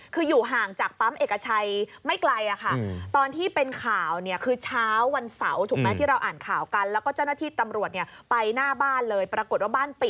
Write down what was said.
คืออยู่ห่างจากปั๊มเอกชัยไม่ไกลค่ะ